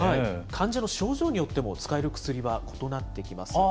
患者の症状によっても、使える薬は異なってきます。